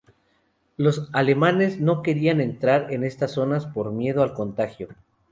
Los alemanes no querían entrar en estas zonas por miedo al contagio.